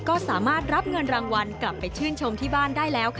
ก็สามารถรับเงินรางวัลกลับไปชื่นชมที่บ้านได้แล้วค่ะ